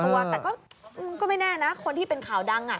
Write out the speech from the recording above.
แต่ก็ไม่แน่นะคนที่เป็นข่าวดัง